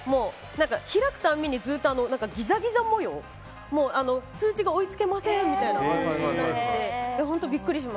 開くたびにずっとギザギザ模様通知が追いつけませんみたいな感じになって。